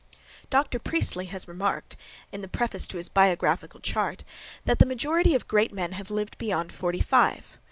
Dr. Priestley has remarked, in the preface to his biographical chart, that the majority of great men have lived beyond forty five.